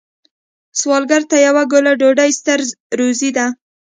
سوالګر ته یوه ګوله ډوډۍ ستر روزی ده